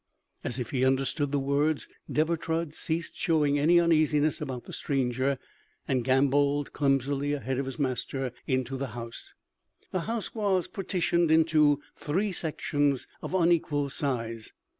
As if he understood the words, Deber Trud ceased showing any uneasiness about the stranger, and gamboled clumsily ahead of his master into the house. The house was partitioned into three sections of unequal size.